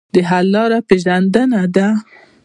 حل لاره پېژندنه ده.